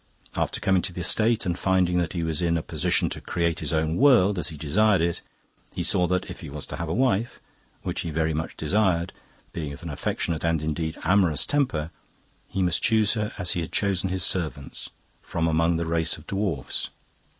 After coming to the estate and finding that he was in a position to create his own world as he desired it, he saw that, if he was to have a wife which he very much desired, being of an affectionate and, indeed, amorous temper he must choose her as he had chosen his servants from among the race of dwarfs.